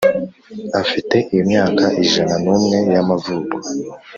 Afite imyaka ijana n umwe y amavuko